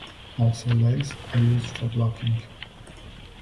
Also legs are used for blocking.